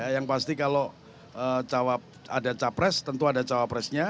yang pasti kalau ada capres tentu ada cawapresnya